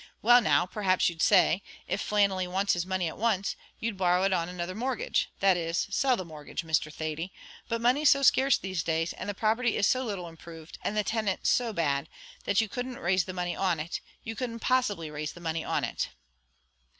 Well, now, perhaps you'd say, if Flannelly wants his money at once, you'd borrow it on another mortgage that is, sell the mortgage, Mr. Thady; but money's so scarce these days, and the property is so little improved, and the tenants so bad, that you couldn't raise the money on it you couldn't possibly raise the money on it."